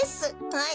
はい。